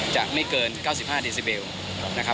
จะไม่เกิน๙๕เดซิเบลนะครับ